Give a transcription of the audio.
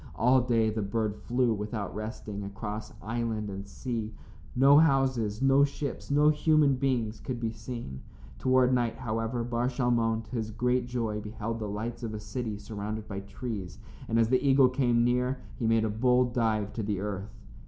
All day the bird flew without resting, across island and sea. No houses, no ships, no human beings could be seen. Toward night, however, Bar Shalmon, to his great joy, beheld the lights of a city surrounded by trees, and as the eagle came near, he made a bold dive to the earth.